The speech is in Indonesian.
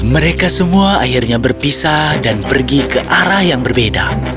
mereka semua akhirnya berpisah dan pergi ke arah yang berbeda